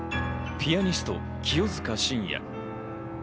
ピアニスト・清塚信也。